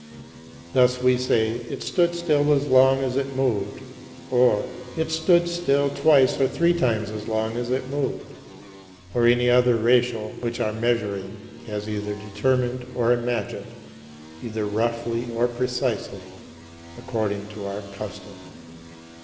Thus we say, "It stood still as long as it moved," or, "It stood still twice or three times as long as it moved" or any other ratio which our measuring has either determined or imagined, either roughly or precisely, according to our custom.